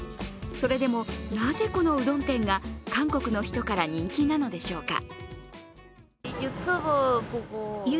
それでも、なぜこのうどん店が韓国の人から人気なのでしょうか。